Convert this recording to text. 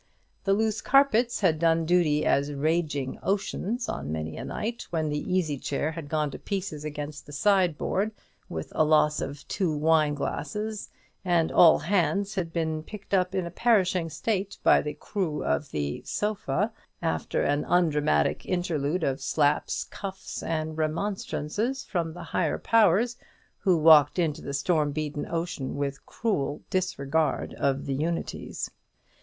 The loose carpets had done duty as raging oceans on many a night, when the easy chair had gone to pieces against the sideboard, with a loss of two wine glasses, and all hands had been picked up in a perishing state by the crew of the sofa, after an undramatic interlude of slaps, cuffs, and remonstrances from the higher powers, who walked into the storm beaten ocean with cruel disregard of the unities.